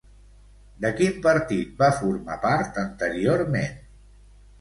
De quin partit va formar part anteriorment?